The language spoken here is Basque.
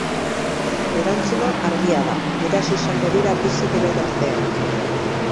Erantzuna argia da: guraso izango dira bizi diren artean.